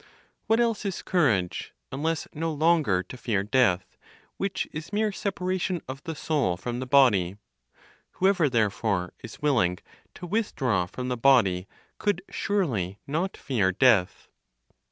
What else is courage, unless no longer to fear death, which is mere separation of the soul from the body? Whoever therefore is willing to withdraw from the body could surely not fear death.